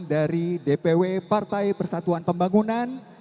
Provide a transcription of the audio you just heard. dari dpw partai persatuan pembangunan